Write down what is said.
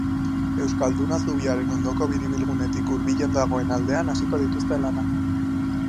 Euskalduna zubiaren ondoko biribilgunetik hurbilen dagoen aldean hasiko dituzte lanak.